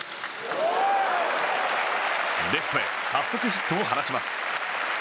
レフトへ早速ヒットを放ちます。